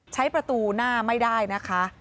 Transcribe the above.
ใช้ประตูหน้าไม่ได้นะคะ